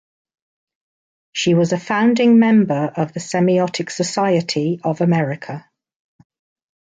She was a founding member of the Semiotic Society of America.